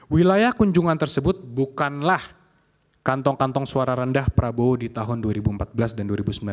wilayah kunjungan tersebut bukanlah kantong kantong suara rendah prabowo di tahun dua ribu empat belas dan dua ribu sembilan belas